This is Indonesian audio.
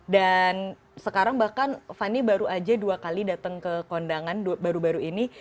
dan sekarang bahkan fanny baru aja dua kali datang ke kondangan baru baru ini